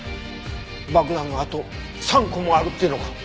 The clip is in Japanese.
爆弾があと３個もあるって言うのか？